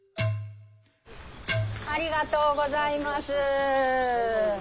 ありがとうございます。